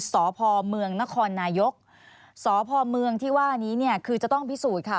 สพเมืองนครนายกสพเมืองที่ว่านี้เนี่ยคือจะต้องพิสูจน์ค่ะ